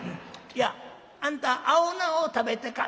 「いやあんた青菜を食べてか？」。